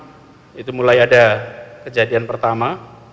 sejak tanggal enam itu mulai ada kejadian pertama